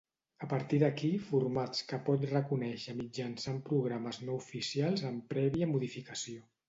A partir d'aquí formats que pot reconèixer mitjançant programes no oficials amb prèvia modificació.